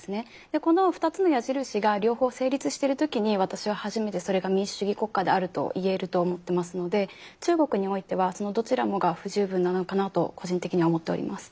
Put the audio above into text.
でこの２つの矢印が両方成立してる時に私は初めてそれが民主主義国家であると言えると思ってますので中国においてはそのどちらもが不十分なのかなと個人的には思っております。